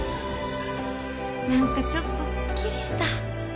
なんかちょっとすっきりした。